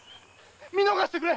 見逃してくれ！